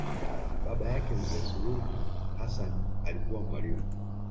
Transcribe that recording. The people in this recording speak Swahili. Baba yake mzee Suluhu Hassan alikuwa mwalimu